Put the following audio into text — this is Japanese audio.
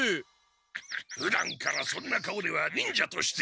ふだんからそんな顔では忍者として。